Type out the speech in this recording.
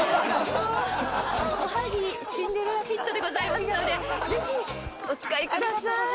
シンデレラフィットでございますのでぜひお使いください